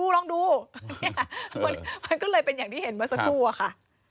ลองดูมันก็เลยเป็นอย่างที่เห็นเมื่อสักครู่อะค่ะ